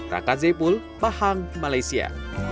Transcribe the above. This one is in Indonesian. raka zepul pahang malaysia